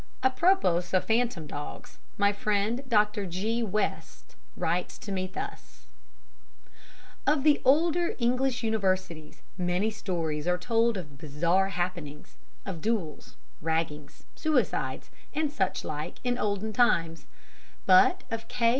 Apropos of phantom dogs, my friend Dr. G. West writes to me thus: "Of the older English Universities many stories are told of bizarre happenings, of duels, raggings, suicides and such like in olden times; but of K.